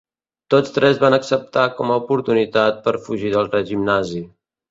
Tots tres van acceptar com a oportunitat per fugir del règim nazi.